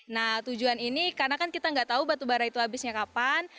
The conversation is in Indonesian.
nah tujuan ini karena kan kita nggak tahu batu bara itu habisnya kapan